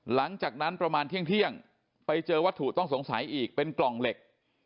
หลังจากนั้นประมาณเที่ยงไปเจอวัตถุต้องสงสัยอีกเป็นกล่องเหล็ก